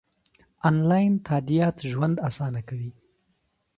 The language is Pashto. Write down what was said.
انلاین تادیات ژوند اسانه کوي.